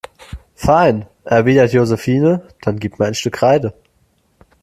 Fein, erwidert Josephine, dann gib mir ein Stück Kreide.